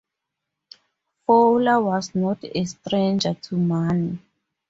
Fowler was not a stranger to money.